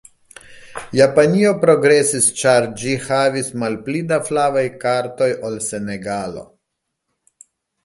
Japanio progresis ĉar ĝi havis malpli da flavaj kartoj ol Senegalo.